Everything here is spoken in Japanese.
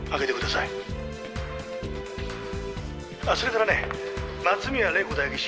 「あっそれからね松宮玲子代議士